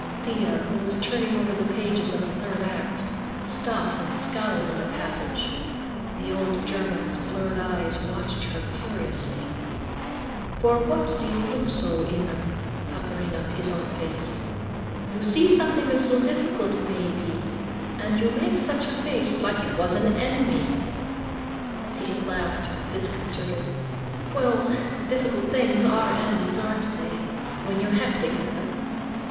Thea, who was turning over the pages of the third act, stopped and scowled at a passage. The old German's blurred eyes watched her curiously. "For what do you look so, immer?" puckering up his own face. "You see something a little difficult, may be, and you make such a face like it was an enemy." Thea laughed, disconcerted. "Well, difficult things are enemies, aren't they? When you have to get them?"